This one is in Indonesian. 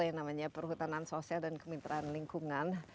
yang namanya perhutanan sosial dan kemitraan lingkungan